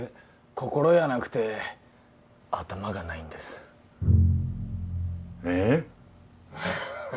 心やなくて頭がないんですえッ？